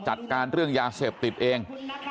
จัดการเรื่องยาเสพติดเอง